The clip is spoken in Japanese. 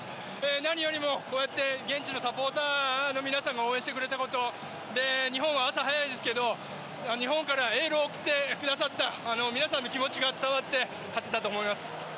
何よりもこうして現地のサポーターの皆さんが応援してくれたこと日本は朝早いですけど日本からエールを送ってくださった皆さんの気持ちが伝わって勝てたと思います。